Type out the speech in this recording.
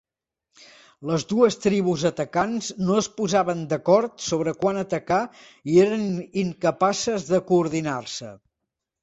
Les dues tribus atacants no es posaven d"acord sobre quan atacar i eren incapaces de coordinar-se.